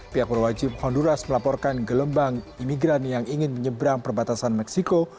pihak berwajib honduras melaporkan gelombang imigran yang ingin menyeberang perbatasan meksiko